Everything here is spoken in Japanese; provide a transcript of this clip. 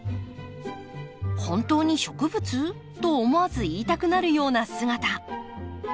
「本当に植物？」と思わず言いたくなるような姿。